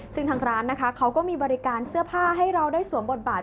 ซึ่งทางร้านนะคะเขาก็มีบริการเสื้อผ้าให้เราได้สวมบทบาท